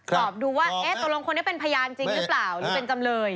สอบดูว่าตกลงคนนี้เป็นพยานจริงหรือเปล่าหรือเป็นจำเลย